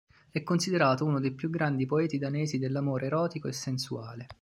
È considerato uno dei più grandi poeti danesi dell'amore erotico e sensuale.